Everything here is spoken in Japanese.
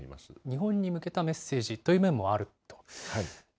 日本に向けたメッセージという面もあると。